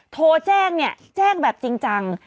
โทรแจ้งเนี่ยแจ้งแบบจริงจัง